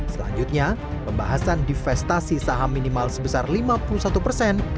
selanjutnya pembahasan divestasi saham minimal sebesar lima puluh satu persen